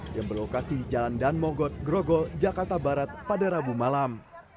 yang berlokasi jalan danmogot grogol jakarta barat pada rabu malam